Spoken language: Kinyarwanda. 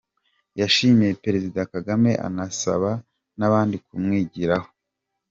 Yashimye Perezida Kagame, anabasaba n’abandi kumwigiraho.